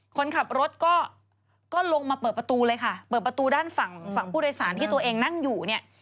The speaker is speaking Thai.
คนขับรถก็ลงมาเปิดประตูเลยค่ะเปิดประตูด้านฝั่งฝั่งผู้โดยสารที่ตัวเองนั่งอยู่เนี่ย